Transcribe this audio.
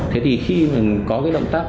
thế thì khi mình có cái động tác